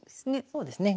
そうですね。